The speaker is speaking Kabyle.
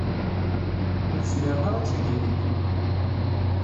Ur tezmireḍ ara ad t-id-iniḍ-t.